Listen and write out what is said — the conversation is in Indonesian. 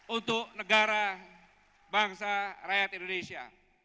untuk negara bangsa rakyat indonesia